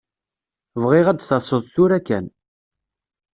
Bɣiɣ ad d-taseḍ tura kan.